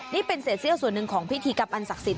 นี่เป็นเศษสิวะส่วนหนึ่งของพิธีกับอันศักริย์สิทธิ์